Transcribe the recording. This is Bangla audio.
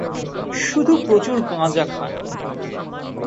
শুধু প্রচুর গাঁজা খান।